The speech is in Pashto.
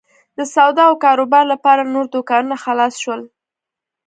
د سودا او کاروبار لپاره نور دوکانونه خلاص شول.